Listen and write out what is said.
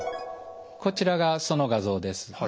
こちらがその画像です。